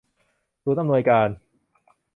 ศูนย์อำนวยการ